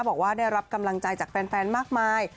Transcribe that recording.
บอกว่าได้รับกำลังใจจากแฟนมากมาย